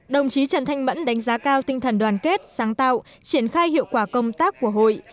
đồng chí trần thanh mẫn đánh giá cao tinh thần đoàn kết sáng tạo triển khai hiệu quả công tác của hội